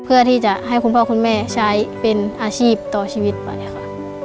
เพื่อที่จะให้คุณพ่อคุณแม่ใช้เป็นอาชีพต่อชีวิตไปค่ะ